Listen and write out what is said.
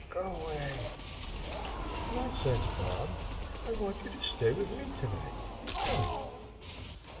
"Go 'way." "Nonsense, Bob. I want you to stay with me to night, come."